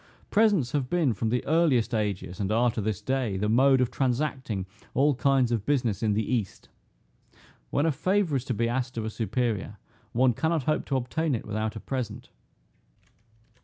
Presents have been, from the earliest ages, and are to this day, the mode of transacting all kinds of business in the east. When a favor is to be asked of a superior, one cannot hope to obtain it without a present.